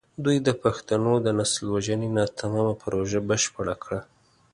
دوی د پښتنو د نسل وژنې ناتمامه پروژه بشپړه کړه.